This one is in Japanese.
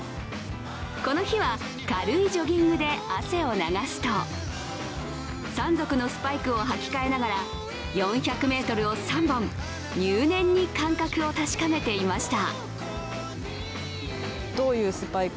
この日は軽いジョギングで汗を流すと、３足のスパイクを履き替えながら４００ｍを３本、入念に感覚を確かめていました。